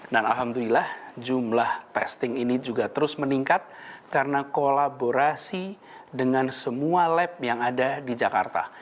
dan alhamdulillah jumlah testing ini juga terus meningkat karena kolaborasi dengan semua lab yang ada di jakarta